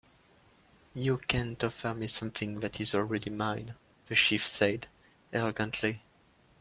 "You can't offer me something that is already mine," the chief said, arrogantly.